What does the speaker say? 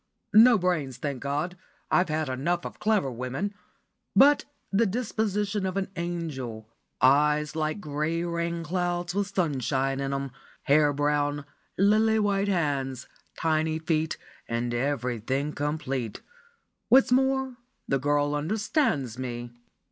No brains, thank God I've had enough of clever women but the disposition of an angel, eyes like grey rainclouds with sunshine in 'em, hair brown, lily white hands, tiny feet, and everything complete. What's more, the girl understands me."